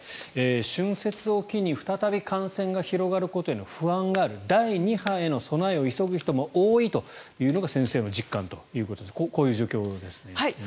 春節を機に再び感染が広がることへの不安がある第２波への備えを急ぐ人も多いというのが先生の実感ということです。